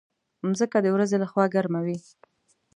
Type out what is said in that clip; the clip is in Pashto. مځکه د ورځې له خوا ګرمه وي.